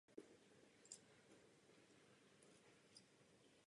Nynější vstup je z ulice Na Malém klínu.